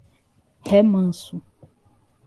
Remanso